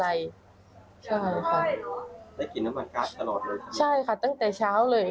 ได้กลิ่นน้ำมันการ์ดตลอดเลยครับใช่ค่ะตั้งแต่เช้าเลย